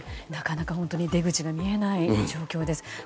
なかなか出口が見えない状況です。